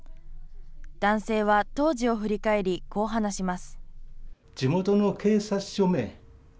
男性は当時を振り返りこう話します。